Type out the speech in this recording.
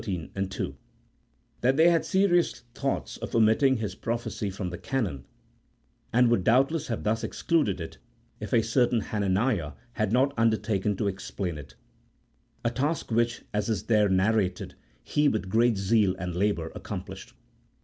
13, 2), that they had serious thoughts of omitting his pro phecy from the canon, and would doubtless have thus excluded it if a certain Hananiah had not undertaken to explain it ; a task which (as is there narrated) he with great zeal and labour accomplished.